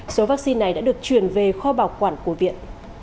số vaccine này đã được chuyển về kho bảo quản của viện